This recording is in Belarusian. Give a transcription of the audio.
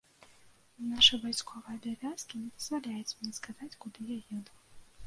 Нашы вайсковыя абавязкі не дазваляюць мне сказаць, куды я еду.